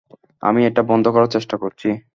আমি এটা বন্ধ করার চেষ্টা করছি।